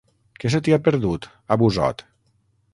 Què se t'hi ha perdut, a Busot?